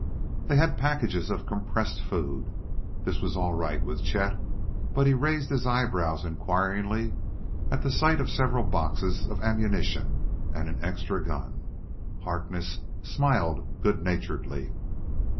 They had packages of compressed foods. This was all right with Chet, but he raised his eyebrows inquiringly at sight of several boxes of ammunition and an extra gun. Harkness smiled good naturedly.